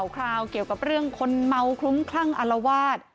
คราวเกี่ยวกับเรื่องคนเมาคลุ้มคลั่งอารวาส